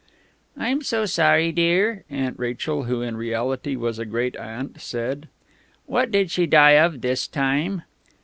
"I'm so sorry, dear," Aunt Rachel, who in reality was a great aunt, said. "What did she die of this time?"